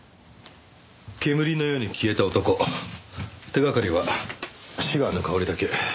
煙のように消えた男手掛かりはシガーの香りだけ。